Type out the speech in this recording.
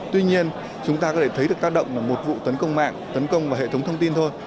tuy nhiên chúng ta có thể thấy được tác động là một vụ tấn công mạng tấn công vào hệ thống thông tin thôi